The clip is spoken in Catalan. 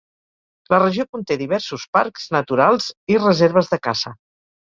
La regió conté diversos parcs naturals i reserves de caça.